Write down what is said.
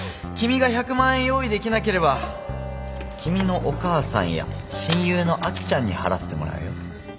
君が１００万円用意できなければ君のお母さんや親友の亜紀ちゃんに払ってもらうよ？